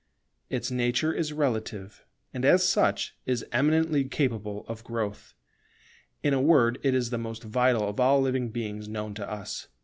Its nature is relative; and, as such, is eminently capable of growth. In a word it is the most vital of all living beings known to us.